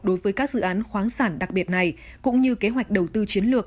đối với các dự án khoáng sản đặc biệt này cũng như kế hoạch đầu tư chiến lược